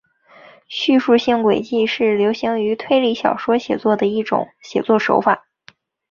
叙述性诡计是流行于推理小说写作的一种写作手法。